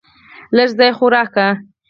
لږ ځای خو راکړه .